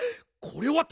これ。